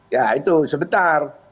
ya itu sebentar